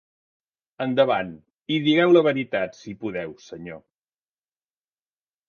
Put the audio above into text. Endavant i digueu la veritat, si podeu, senyor.